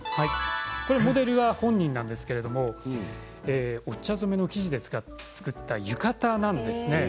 モデルは本人なんですけれどもお茶染めの生地で作った浴衣なんですね。